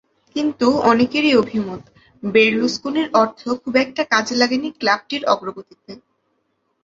কিন্তু অনেকেরই অভিমত, বেরলুসকোনির অর্থ খুব একটা কাজে লাগেনি ক্লাবটির অগ্রগতিতে।